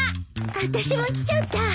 私も来ちゃった。